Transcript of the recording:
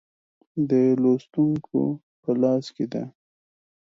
د لوستونکو په لاس کې ده.